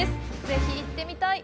ぜひ行ってみたい！